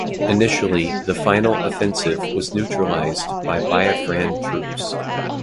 Initially the final offensive was neutralised by Biafran troops.